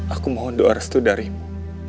aku mohon doa restu darimu